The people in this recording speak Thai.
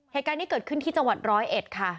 เหตุการณ์นี้เกิดขึ้นที่จังหวัดร้อยเอ็ดค่ะ